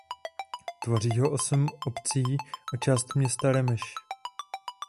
Tvoří ho osm obcí a část města Remeš.